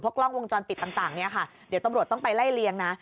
กล้องวงจรปิดต่างเนี่ยค่ะเดี๋ยวตำรวจต้องไปไล่เลี้ยงนะ